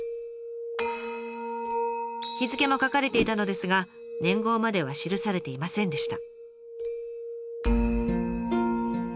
日付も書かれていたのですが年号までは記されていませんでした。